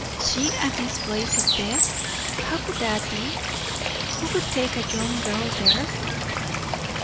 "She at this place of death? How could that be? Who would take a young girl there?"